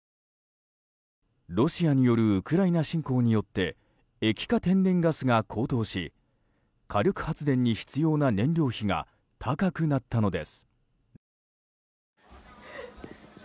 ロシアによるウクライナ侵攻によって液化天然ガスが高騰し火力発電に必要な燃料費が高くなったのです。